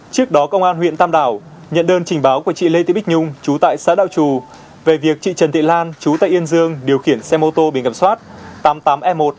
trước đó công an huyện tâm đảo nhận đơn trình báo của chị lê thị bích nhung chú tại xã đạo trù về việc chị trần thị lan chú tại yên dương điều khiển xe mô tô bị cầm soát tám mươi tám e một hai mươi chín nghìn chín mươi tám